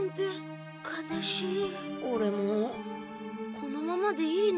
このままでいいの？